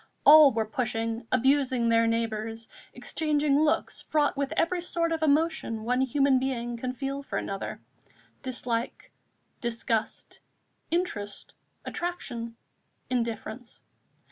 All were pushing, abusing their neighbours, exchanging looks fraught with every sort of emotion one human being can feel for another, dislike, disgust, interest, attraction, indifference.